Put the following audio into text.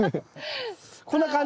こんな感じ。